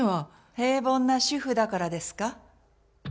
平凡な主婦だからですか？